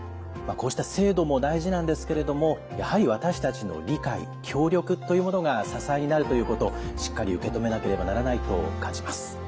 こうした制度も大事なんですけれどもやはり私たちの理解協力というものが支えになるということしっかり受け止めなければならないと感じます。